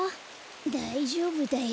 だいじょうぶだよ。